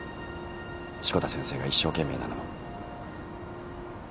志子田先生が一生懸命なのも。